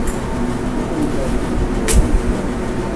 Inelmaden-is nnuɣen-ten.